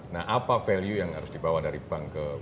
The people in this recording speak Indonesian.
nah apa value yang harus dibawa dari bank ke bank